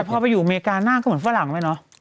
แต่พอไปอยู่อเมริกาน่างก็เหมือนฝรั่งไหมเนอะ